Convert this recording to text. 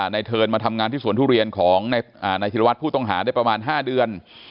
เทิร์นมาทำงานที่สวนทุเรียนของนายธิรวัตรผู้ต้องหาได้ประมาณ๕เดือน